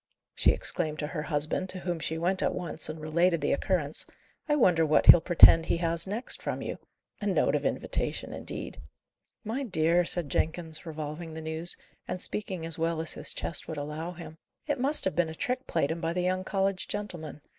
she exclaimed to her husband, to whom she went at once and related the occurrence. "I wonder what he'll pretend he has next from you? A note of invitation, indeed!" "My dear," said Jenkins, revolving the news, and speaking as well as his chest would allow him, "it must have been a trick played him by the young college gentlemen.